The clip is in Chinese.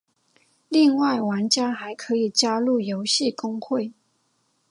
另外玩家还可以加入游戏公会。